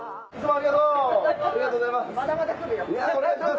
ありがとう。